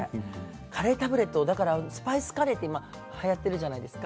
カレータブレットスパイスカレーってはやっているじゃないですか